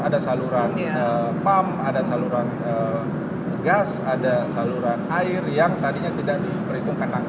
ada saluran pump ada saluran gas ada saluran air yang tadinya tidak diperhitungkan